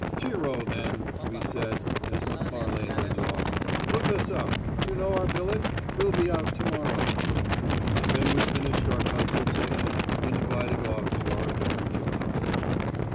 "Cheero, then," we said, as Macfarlane went off. "Look us up. You know our billet? We'll be out to morrow." Then we finished our consultation and divided off to our different jobs.